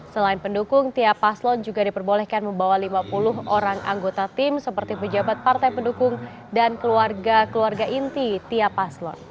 selain pendukung tiap paslon juga diperbolehkan membawa lima puluh orang anggota tim seperti pejabat partai pendukung dan keluarga keluarga inti tiap paslon